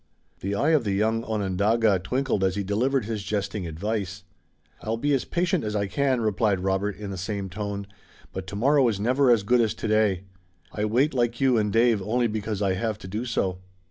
The eye of the young Onondaga twinkled as he delivered his jesting advice. "I'll be as patient as I can," replied Robert in the same tone, "but tomorrow is never as good as today. I wait like you and Dave only because I have to do so."